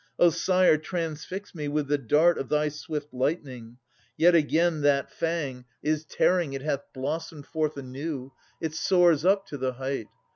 O sire, transfix me with the dart Of thy swift lightning! Yet again that fang Is tearing; it hath blossomed forth anew, It soars up to the height!